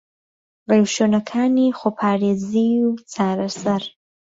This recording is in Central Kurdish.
رێوشوێنەکانی خۆپارێزی و چارەسەر